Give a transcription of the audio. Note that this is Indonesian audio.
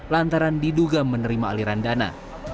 lantaran diduga menerima aliran dana